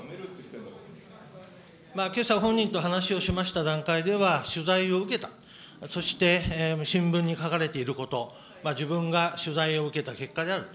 けさ本人と話をしました段階では、取材を受けた、そして新聞に書かれていること、自分が取材を受けた結果である。